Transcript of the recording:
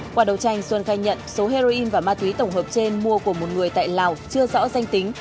qua đầu tranh xuân khai nhận số heroin và ma túy tổng hợp trên mua của một người tại lào chưa rõ danh tính